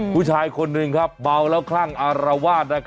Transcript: ผู้ชายคนหนึ่งครับเมาแล้วคลั่งอารวาส